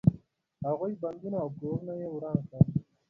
د هغوی بندونه او کورونه یې وران کړل.